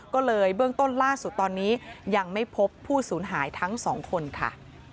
ก็เลยเบื้องต้นล่าสุดตอนนี้ยังไม่พบผู้สูญหายทั้งสองคนค่ะ